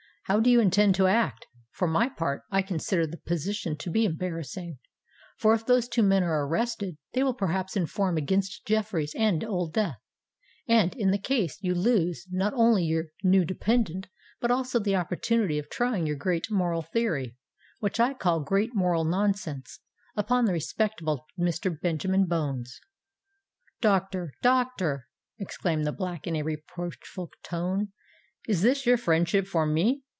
"How do you intend to act? For my part, I consider the position to be embarrassing; for if those two men are arrested, they will perhaps inform against Jeffreys and Old Death,—and, in this case, you lose not only your new dependant, but also the opportunity of trying your great moral theory—which I call great moral nonsense—upon the respectable Mr. Benjamin Bones." "Doctor—doctor," exclaimed the Black, in a reproachful tone: "is this your friendship for me?